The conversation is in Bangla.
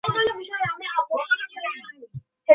এটা উটেরই আওয়াজ বলে সে নিশ্চিত হয়।